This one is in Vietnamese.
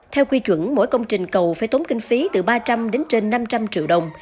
theo quy chuẩn mỗi công trình cầu phải tốn kinh phí từ ba trăm linh đến trên năm trăm linh triệu đồng